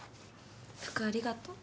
服ありがとう。